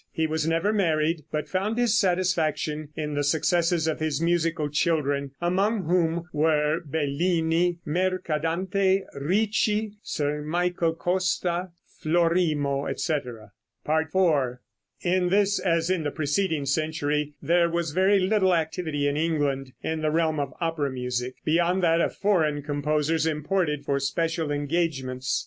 He was never married, but found his satisfaction in the successes of his musical children, among whom were Bellini, Mercadante, Ricci, Sir Michael Costa, Florimo, etc. IV. In this, as in the preceding century, there was very little activity in England in the realm of opera music, beyond that of foreign composers imported for special engagements.